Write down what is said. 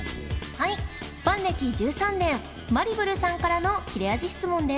はいファン歴１３年まりぶるさんからの切れ味質問です